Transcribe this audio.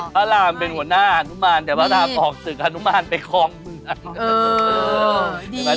พระรามเป็นหัวหน้าอนุมานแต่พระรามออกศึกฮานุมานไปคลองเมือง